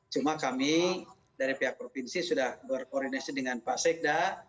cuma kami dari pihak provinsi sudah berkoordinasi dengan pak sekda